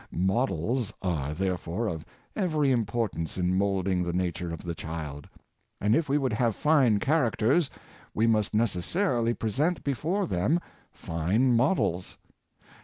Models are, therefore, of every importance in moulding the nature of the child; and if we would have fine characters, we must neces sarily present before them fine models.